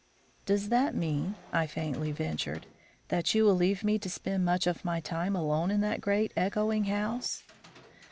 "Does that mean," I faintly ventured, "that you will leave me to spend much of my time alone in that great echoing house?"